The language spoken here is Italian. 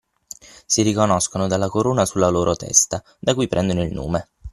Si riconoscono dalla corona sulla loro testa da cui prendono il nome.